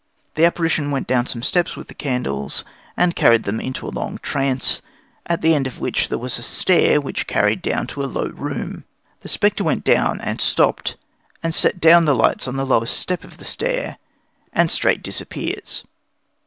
The apparition went down some steps with the candles, and carried them into a long trance, at the end of which there was a stair which carried down to a low room. This the spectre went down, and stooped, and set down the lights on the lowest step of the stair, and straight disappears."